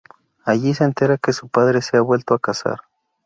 Allí se entera que su padre se ha vuelto a casar.